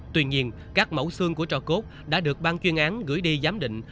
tuy nhiên các mẫu xương của trò cốt đã được ban chuyên án gửi đi giám định